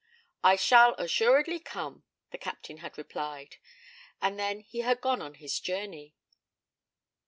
'I shall assuredly come,' the Captain had replied, and then he had gone on his journey.